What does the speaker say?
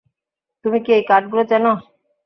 তুমি কি এই কার্ডগুলো চেনো?